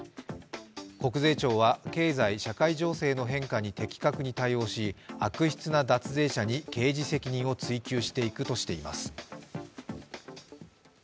国税庁は、経済・社会情勢の変化に的確に対応し、悪質な脱税者に刑事責任を追及していくとしています。